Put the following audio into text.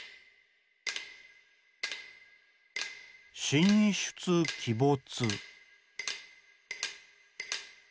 「神出鬼没」。